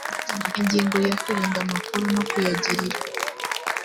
ingingo ya kurinda amakuru no kuyagirira